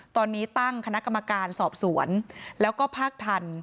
ตอนนี้ตั้งคณะกรรมการสอบสวนแล้วก็ภาคทัน